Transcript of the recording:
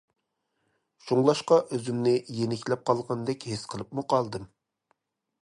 شۇڭلاشقا ئۆزۈمنى يېنىكلەپ قالغاندەك ھېس قىلىپمۇ قالدىم.